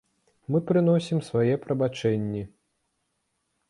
Мы прыносім свае прабачэнні.